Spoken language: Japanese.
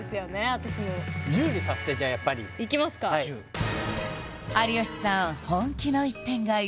私も１０にさせてじゃあやっぱりいきますか有吉さん本気の一点買い